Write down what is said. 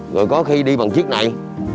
rồi có khi đi bằng chiếc này